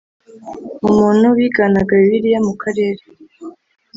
umuntu biganaga Bibiliya mu karere.